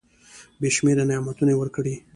بي شمیره نعمتونه یې ورکړي .